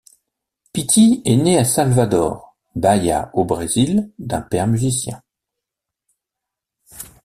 Pitty est née à Salvador, Bahia au Brésil d’un père musicien.